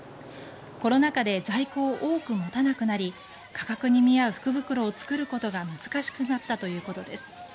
コロナ禍で在庫を多く持たなくなり価格に見合う福袋を作ることが難しくなったということです。